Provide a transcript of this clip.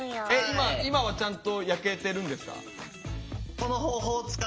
今はちゃんと焼けてるんですか？